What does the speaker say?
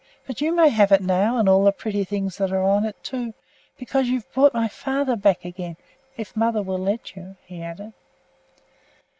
But you may have it now, and all the pretty things that are on it, too, because you've brought my father back again; if mother will let you," he added.